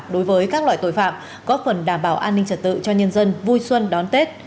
đối với các loại tội phạm góp phần đảm bảo an ninh trật tự cho nhân dân vui xuân đón tết